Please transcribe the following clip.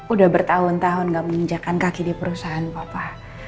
udah bertahun tahun gak menginjakan kaki di perusahaan papa